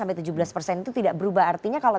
itu tidak berubah artinya kalau